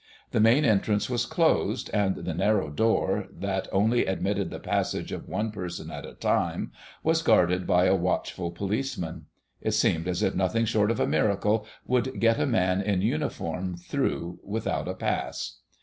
The main entrance was closed, and the narrow door, that only admitted the passage of one person at a time, was guarded by a watchful policeman. It seemed as if nothing short of a miracle would get a man in uniform through without a pass.